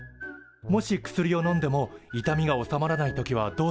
もし薬をのんでも痛みが治まらない時はどうすると思う？